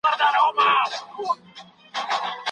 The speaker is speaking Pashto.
غوره ژوند یوازي په موروثي پوهي سره نه سي ګټل کېدلای.